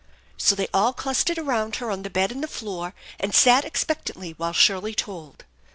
So they all clustered around her on the bed and the floor, and sat expectantly while Shirley told.